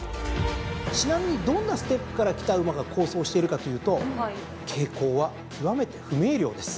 ちなみにどんなステップからきた馬が好走してるかというと傾向は極めて不明瞭です。